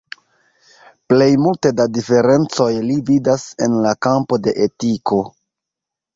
Plej multe da diferencoj li vidas en la kampo de etiko.